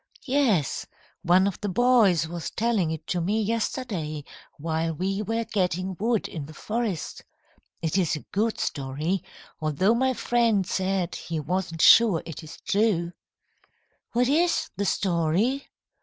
"Yes, one of the boys was telling it to me yesterday while we were getting wood in the forest. It is a good story, although my friend said he wasn't sure it is true." "What is the story?"